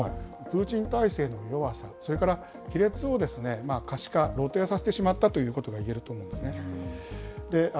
今回の事態なんですけれども、プーチン体制の弱さ、それから亀裂を可視化、露呈させてしまったということがいえると思うんですね。